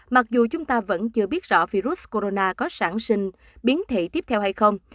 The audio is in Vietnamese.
mặc dù chúng ta vẫn chưa biết rõ virus corona có sản sinh biến thị tiếp theo hay không